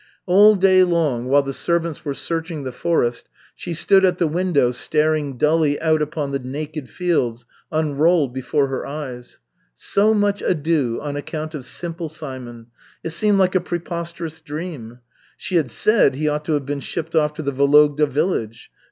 All day long, while the servants were searching the forest, she stood at the window staring dully out upon the naked fields unrolled before her eyes. So much ado on account of Simple Simon! It seemed like a preposterous dream. She had said he ought to have been shipped off to the Vologda village.